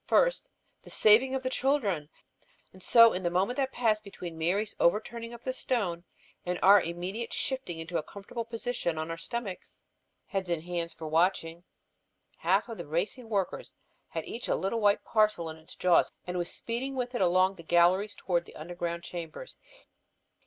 First, the saving of the children; and so in the moment that passed between Mary's overturning of the stone and our immediate shifting into comfortable position on our stomachs, head in hands, for watching, half of the racing workers had each a little white parcel in its jaws and was speeding with it along the galleries toward the underground chambers.